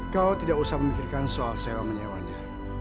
kau tidak usah memikirkan soal sewa menyewanya